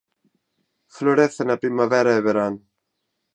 Florece na primavera e verán.